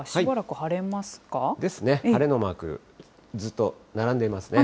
晴れのマーク、ずっと並んでいますね。